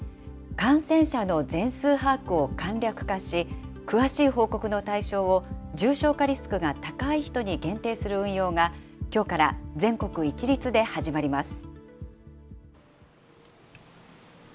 感染者の全数把握を簡略化し、詳しい報告の対象を重症化リスクが高い人に限定する運用が、きょうから全国一律で始まります。